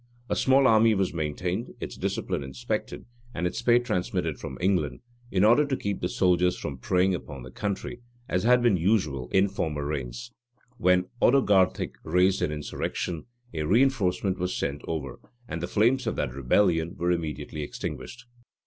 A small army was maintained, its discipline inspected, and its pay transmitted from England, in order to keep the soldiers from preying upon the country, as had been usual in former reigns. When Odoghartie raised an insurrection, a reënforcement was sent over, and the flames of that rebellion were immediately extinguished.